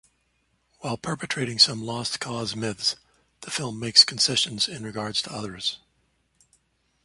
While perpetuating some Lost Cause myths, the film makes concessions in regards to others.